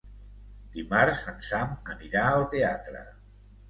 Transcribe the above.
Dimarts en Sam anirà al teatre.